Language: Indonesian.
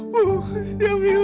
bu jamilah bu